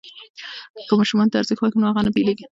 که ماشوم ته ارزښت ورکړو نو هغه نه بېلېږي.